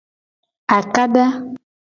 Akada.